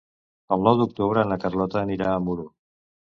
El nou d'octubre na Carlota anirà a Muro.